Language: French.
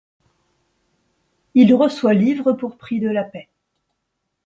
Il reçoit livres pour prix de la paix.